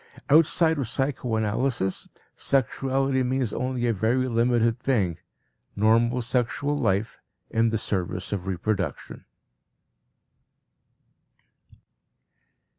Outside of psychoanalysis sexuality means only a very limited thing: normal sexual life in the service of reproduction.